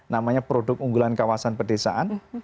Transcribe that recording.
namanya produk unggulan kawasan pedesaan